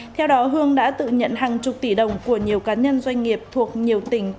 theo đó hương đã tự nhận hàng chục tỷ đồng của nhiều cá nhân doanh nghiệp thuộc nhiều tỉnh